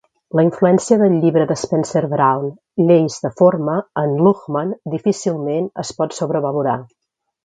La influència del llibre de Spencer-Brown, "Lleis de forma", en Luhmann difícilment es pot sobrevalorar.